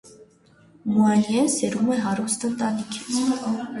Մուանիեն սերում է հարուստ ընտանիքից։